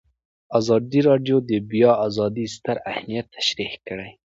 ازادي راډیو د د بیان آزادي ستر اهميت تشریح کړی.